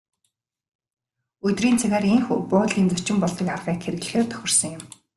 Өдрийн цагаар ийнхүү буудлын зочин болдог аргыг хэрэглэхээр тохирсон юм.